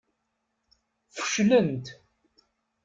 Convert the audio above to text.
Feclent.